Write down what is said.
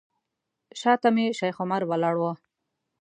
شاته مې شیخ عمر ولاړ و.